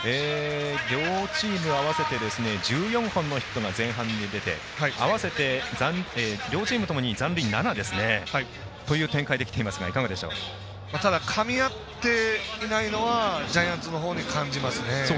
両チーム合わせて１４本のヒットが前半で出て両チームともに残塁７という展開できていますがただかみ合っていないのはジャイアンツのほうに感じますね。